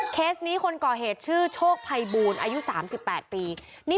เคสนี้คนก่อเหรษชื่อโชคไพบูญอายุ๓๘ปี